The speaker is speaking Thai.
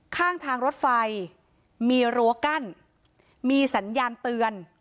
ข้างทางรถไฟมีรั้วกั้นมีสัญญาณเตือน